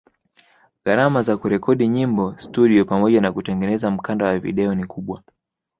Gharama za kurekodi nyimbo studio pamoja na kutengeneza mkanda wa video ni kubwa